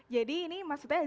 jadi ini maksudnya